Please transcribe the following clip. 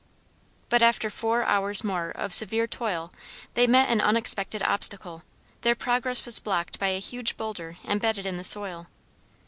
But after four hours more of severe toil they met an unexpected obstacle: their progress was blocked by a huge boulder embedded in the soil.